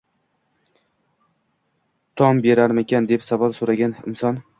Taom berarmikan, deb savol so‘ragan inson